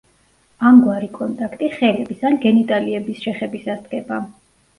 ამგვარი კონტაქტი ხელების ან გენიტალიების შეხებისას დგება.